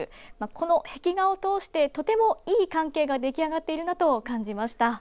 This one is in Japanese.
この壁画をとおしてとてもいい関係が出来上がっているなと感じました。